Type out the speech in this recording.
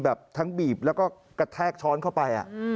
แบบทั้งบีบแล้วก็กระแทกช้อนเข้าไป